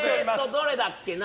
どれだっけな。